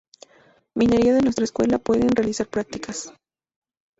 Minería de nuestra Escuela pueden realizar prácticas.